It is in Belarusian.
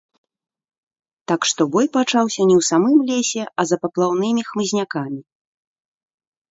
Так што бой пачаўся не ў самым лесе, а за паплаўнымі хмызнякамі.